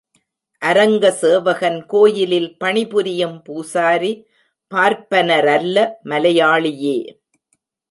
அரங்க சேவகன் கோயிலில் பணிபுரியும் பூசாரி பார்ப்பனரல்ல மலையாளியே.